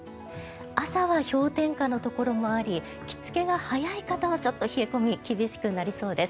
朝は氷点下のところもあり着付けが早い方はちょっと冷え込み厳しくなりそうです。